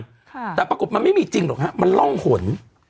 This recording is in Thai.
ใช่น่ะแต่ปรากฏมันไม่มีจริงหรอกครับมันร่องหล่น